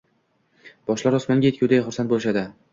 boshlari osmonga yetguday xursand bo‘lishadi